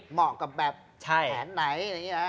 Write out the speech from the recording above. เหมาะกับแผนไหนอะไรอย่างนี้แหละ